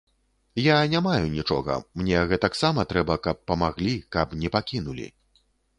Я не маю нічога, мне гэтаксама трэба, каб памаглі, каб не пакінулі.